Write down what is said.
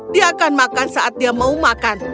dia akan makan saat dia mau makan